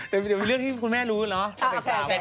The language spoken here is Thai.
เดี๋ยวมีเรื่องที่คุณแม่รู้กันเหรอ